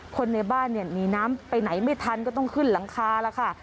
คนในบ้านเนี่ยหนีน้ำไปไหนไม่ทันก็ต้องขึ้นหลังคาแล้วค่ะ